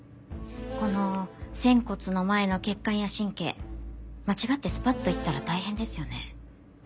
この仙骨の前の血管や神経間違ってスパッといったら大変ですよね。